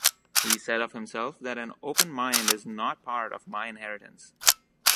He said of himself that an open mind is not part of my inheritance.